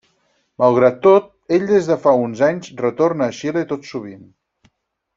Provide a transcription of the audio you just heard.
Malgrat tot ell des de fa uns anys retorna a Xile tot sovint.